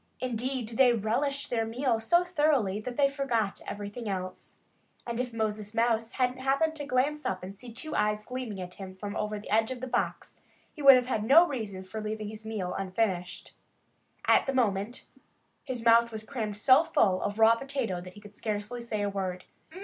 Indeed, they relished their meal so thoroughly that they forgot everything else. And if Moses Mouse hadn't happened to glance up and see two eyes gleaming at him from over the edge of the box he would have had no reason for leaving his meal unfinished. At the moment, his mouth was crammed so full of raw potato that he could scarcely say a word.